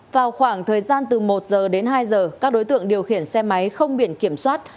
vào khoảng thời gian từ một giờ đến hai giờ các đối tượng điều khiển xe máy không biển kiểm soát